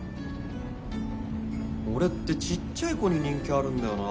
俺ってちっちゃい子に人気あるんだよな